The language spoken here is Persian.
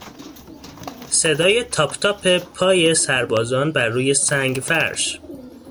صدای تاپ تاپ پای سربازان بر روی سنگفرش